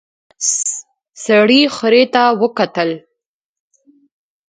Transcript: سړي خرې ته وکتل.